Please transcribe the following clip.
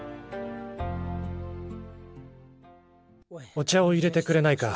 お茶を入れてくれないか。